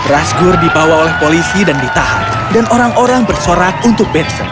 rasgur dibawa oleh polisi dan ditahan dan orang orang bersorak untuk bedset